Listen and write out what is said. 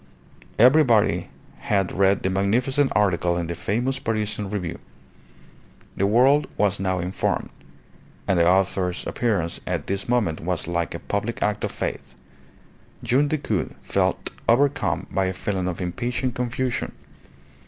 Everybody had read the magnificent article in the famous Parisian Review. The world was now informed: and the author's appearance at this moment was like a public act of faith. Young Decoud felt overcome by a feeling of impatient confusion.